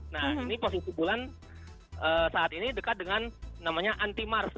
nah ini posisi bulan saat ini dekat dengan namanya anti mars